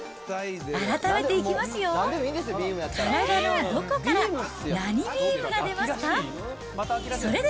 改めていきますよ、体のどこから何ビームが出ますか？